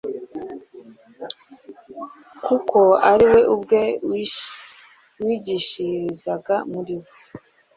kuko ari we ubwe wigishirizaga muri bo.